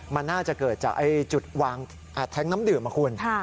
มันน่าจะเกิดจากจุดวางแท้งน้ำดื่มนะคุณ